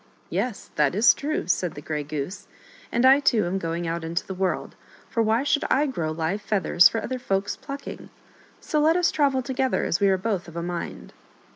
" Yes, that is true," said the Grey Goose ;" and I too am going out into the world, for why should I grow live feathers for other folk's plucking ? So let us travel together, as we are both of a mind."